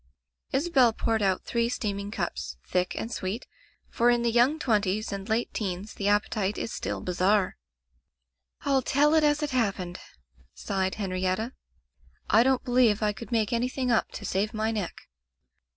Isabel poured out three steaming cups, thick and sweet, for in the young twenties and late teens the appetite is still bizarre. "rU tell it as it happened," sighed Hen rietta. "I don't believe I could make any thing up to save my neck."